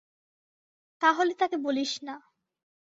তাহলে তাকে বলিস না।